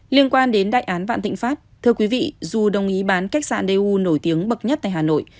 liên quan đến đại án vạn thịnh pháp thưa quý vị dù đồng ý bán cách sạn đê u nổi tiếng bậc nhất tại hà nội